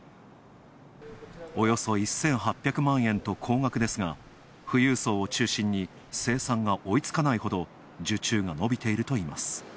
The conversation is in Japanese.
およそ１８００万円と高額ですが、富裕層を中心に生産が追いつかないほど、受注が伸びているといいます。